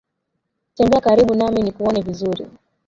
Tembea karibu nami nikuone vizuri